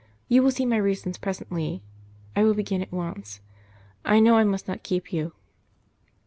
You will see my reasons presently. I will begin at once. I know I must not keep you."